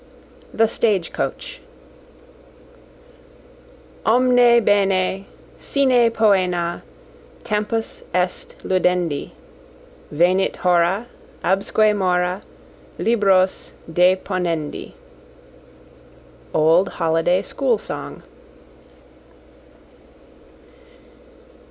The Stage coach Omne bene Sine poena Tempus est ludendi; Venit hora, Absque mora Libros deponendi. Old Holiday School Song.